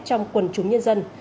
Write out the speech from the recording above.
trong quần chúng nhân dân